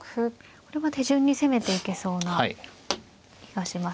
これは手順に攻めていけそうな気がします。